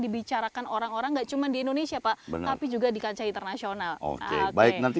dibicarakan orang orang nggak cuma di indonesia pak tapi juga di kancah internasional oke